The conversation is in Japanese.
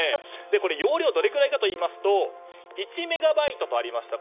容量どれくらいかといいますと１メガバイトとありました